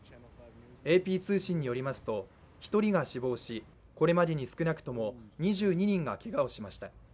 ＡＰ通信によりますと１人が死亡し、これまでに少なくとも２２人がけがをしました。